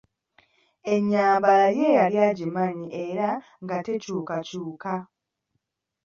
Ennyambala ye yali agimanyi era nga tekyukakyuka.